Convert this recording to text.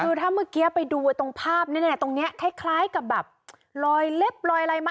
คือถ้าเมื่อกี้ไปดูตรงภาพตรงนี้คล้ายกับแบบลอยเล็บลอยอะไรมา